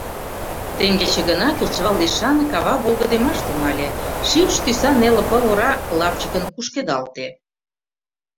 Теҥгече гына, кечывал лишан, кава волгыдемаш тӱҥале, шикш тӱсан неле пыл ора лапчыкын кушкедалте.